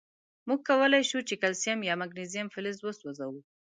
مونږ کولای شو چې کلسیم یا مګنیزیم فلز وسوځوو.